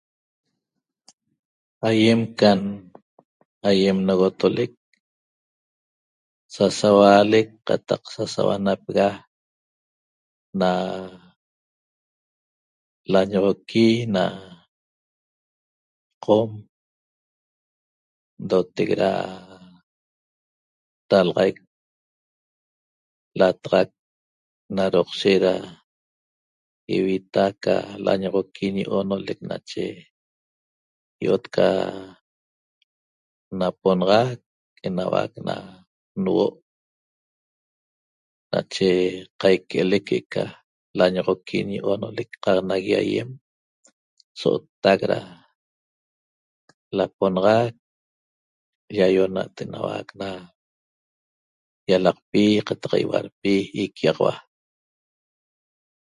Aiem cam ayem noxotoleq sa sahualeq cataq sahuanapexa na lañoxoqui na qom ndoteq na dalaxaiq lataxaq na doqshec da ivita ca na loñoxoqui ñe onoleq nache yott ca naponaxaq enahuaq na nahuo'o nache caiqueleq que ca loñoxoqui na onoleq caxana ñi aiem sottac ca naponaxaq yaionat ientaxanaxahua na ialaqpi cataq ihualpi iquiahua